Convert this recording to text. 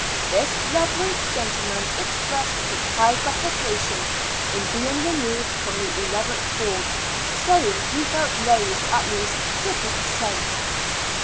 This Eeverencl gentleman expressed his high gratification in being removed from the eleventh hall, saying he felt raised at least fifty per cent.